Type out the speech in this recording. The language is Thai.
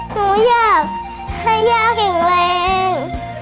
หนูอยากให้ย่าแข็งแรง